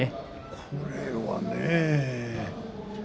これはね。